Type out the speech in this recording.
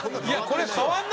これ。